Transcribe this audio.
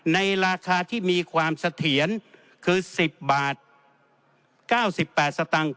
ในราคาที่มีความเสถียรคือสิบบาทเก้าสิบแปดสตังค์